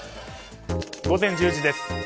午前１０時です。